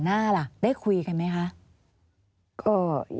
อันดับ๖๓๕จัดใช้วิจิตร